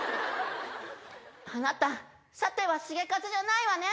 あなたさてはシゲカズじゃないわね。